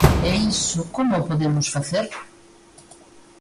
E iso ¿como o podemos facer?